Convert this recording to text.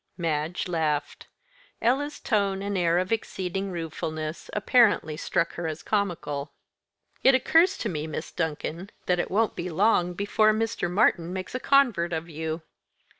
Madge laughed. Ella's tone, and air of exceeding ruefulness, apparently struck her as comical. "It occurs to me, Miss Duncan, that it won't be long before Mr. Martyn makes a convert of you.